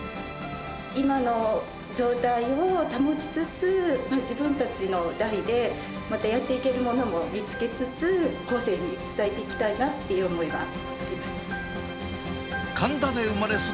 今の状態を保ちつつ、自分たちの代でまたやっていけるものも見つけつつ、後世に伝えていきたいなという思いがあります。